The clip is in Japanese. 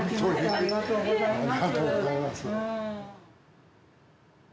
ありがとうございます。